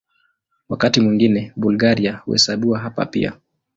Wakati mwingine Bulgaria huhesabiwa hapa pia.